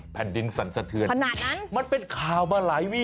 แผ่นดินสั่นเสมอมันเป็นข่าวมาหลายวี